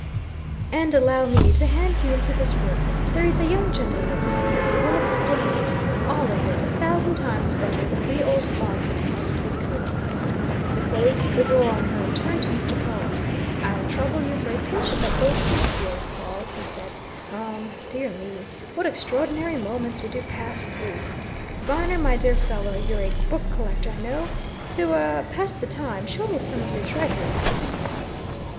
And allow me to hand you into this room there is a young gentleman in here who will explain it, all of it, a thousand times better than we old fogies possibly could!" He closed the door on her, and turned to Mr. Pawle. "I'll trouble you for a pinch of that old snuff of yours, Pawle!" he said. "Um dear me! What extraordinary moments we do pass through! Viner, my dear fellow, you're a book collector, I know. To er pass the time, show me some of your treasures."